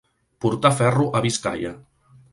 Portar ferro a Biscaia.